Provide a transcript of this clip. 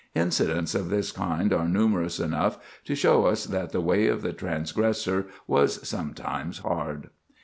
Incidents of this kind are numerous enough to show us that the way of the transgressor was sometimes hard.